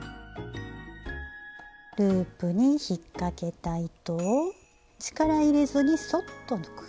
ループにひっかけた糸を力入れずにそっと抜く。